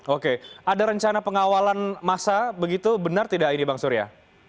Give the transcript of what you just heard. oke ada rencana pengawalan masa begitu benar tidak ini bang surya